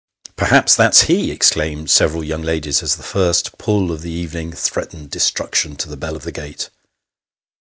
" Perhaps that's he," exclaimed several young ladies, as the first pull of the evening threatened destruction to the bell of the gate.